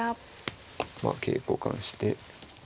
まあ桂交換して。